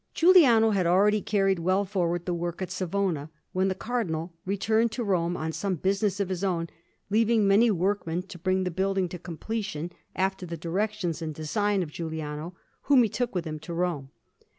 Giuliano had already carried well forward the work at Savona, when the Cardinal returned to Rome on some business of his own, leaving many workmen to bring the building to completion after the directions and design of Giuliano, whom he took with him to Rome.